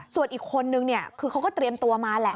ส่วนอีกคนนึงเนี่ยคือเขาก็เตรียมตัวมาแหละ